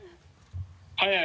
はい。